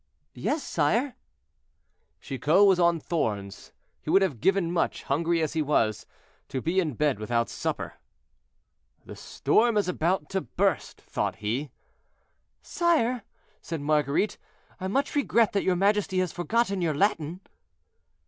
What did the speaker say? "Yes, sire." Chicot was on thorns; he would have given much, hungry as he was, to be in bed without supper. "The storm is about to burst," thought he. "Sire," said Marguerite, "I much regret that your majesty has forgotten your Latin."